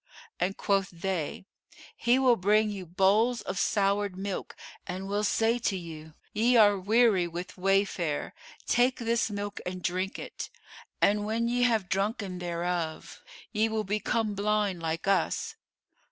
And quoth they, 'He will bring you bowls of soured milk[FN#441] and will say to you, 'Ye are weary with wayfare: take this milk and drink it.' And when ye have drunken thereof, ye will become blind like us.